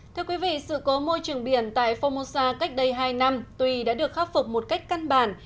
thưa quý vị sự cố môi trường biển tại phongmosa cách đây hai năm tuy đã được khắc phục một cách căn bản